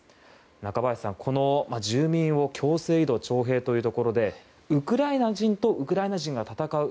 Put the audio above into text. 中林さん、住民を強制移動、徴兵ということでウクライナ人とウクライナ人が戦う。